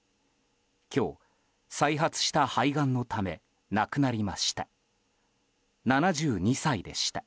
今日、再発した肺がんのため亡くなりました。